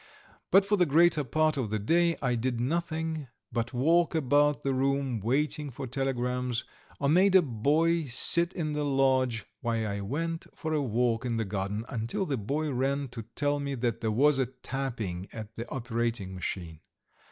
But for the greater part of the day I did nothing but walk about the room waiting for telegrams, or made a boy sit in the lodge while I went for a walk in the garden, until the boy ran to tell me that there was a tapping at the operating machine.